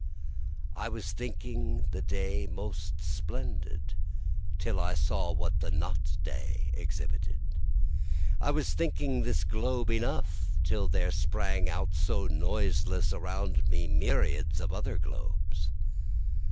I was thinking the day most splendid till I saw what the not day exhibited, I was thinking this globe enough till there sprang out so noiseless around me myriads of other globes.